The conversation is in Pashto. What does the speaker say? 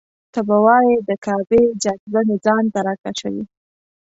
ته به وایې د کعبې جاذبه مې ځان ته راکشوي.